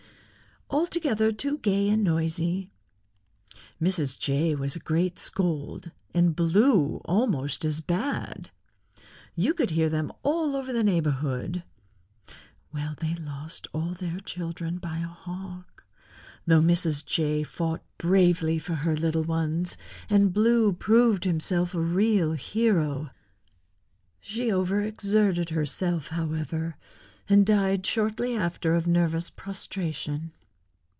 "Altogether too gay and noisy. Mrs. Jay was a great scold, and Blue almost as bad. You could hear them all over the neighborhood. Well, they lost all their children by a Hawk, though Mrs. Jay fought bravely for her little ones, and Blue proved himself a real hero. She over exerted herself, however, and died shortly after of nervous prostration.